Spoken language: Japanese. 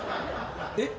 えっ？